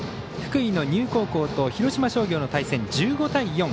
福井の丹生高校と広島商業の対戦、１５対４。